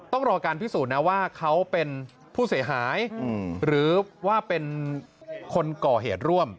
ต้องรอการพิสูจน์นะว่าเขาเป็นผู้เสียหายหรือว่าเป็นคนก่อเหตุร่วม